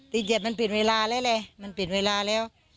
ตีเจ็ดมันปิดเวลาแล้วเลยมันปิดเวลาแล้ว